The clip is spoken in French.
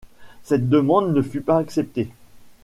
Cette demande ne fut pas acceptée.